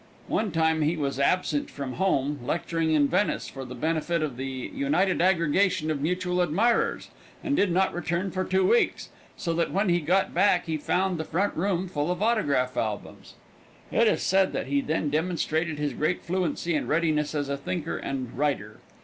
One time he was absent from home, lecturing in Venice for the benefit of the United Aggregation of Mutual Admirers, and did not return for two weeks, so that when he got back he found the front room full of autograph albums. It is said that he then demonstrated his great fluency and readiness as a thinker and writer.